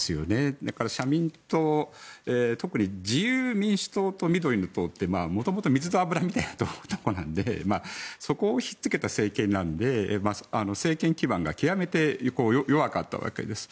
だから社民党特に自由民主党と緑の党って元々水と油みたいなものなのでそこをひっつけた政権なので政権基盤が極めて弱かったわけです。